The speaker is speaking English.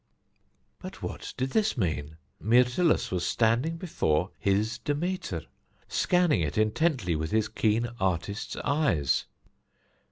But what did this mean? Myrtilus was standing before his Demeter, scanning it intently with his keen artist eyes.